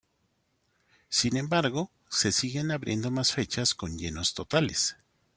Sin embargo, se siguen abriendo más fechas con llenos totales.